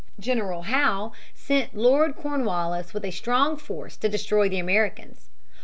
General Howe sent Lord Cornwallis with a strong force to destroy the Americans.